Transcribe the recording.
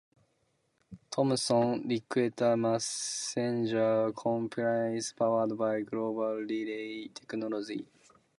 Thomson Reuters Messenger Compliance is powered by Global Relay technology.